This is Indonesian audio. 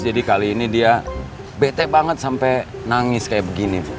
jadi kali ini dia betek banget sampai nangis kayak begini bu